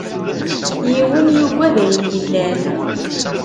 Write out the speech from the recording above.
Yiwen yugad ayen yellan.